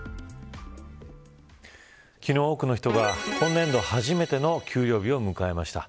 昨日多くの人が今年度初めての給料日を迎えました。